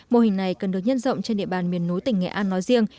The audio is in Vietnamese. mô hình này cần được nhân rộng trên địa bàn miền núi tỉnh nghệ an nói riêng